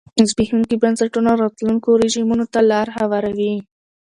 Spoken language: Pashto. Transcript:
زبېښونکي بنسټونه راتلونکو رژیمونو ته لار هواروي.